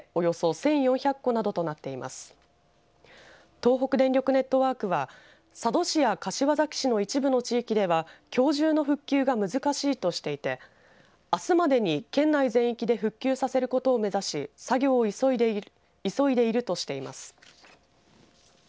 東北電力ネットワークは佐渡市や柏崎市の一部の地域ではきょう中の復旧が難しいとしていてあすまでに県内全域で復旧させることを目指し作業を急いでいるとしています。